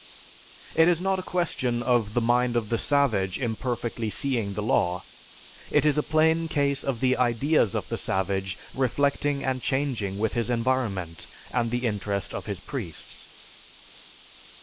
It is not a question of the mind of the savage imperfectly seeing the law. It is a plain case of the ideas of the savage reflecting and changing with his environment and the interest of his priests."